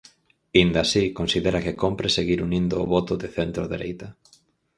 Aínda así, considera que cómpre seguir unindo o voto de centrodereita.